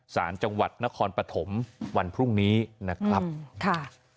สารจังหวัดนครปฐมวันพรุ่งนี้นะครับค่ะ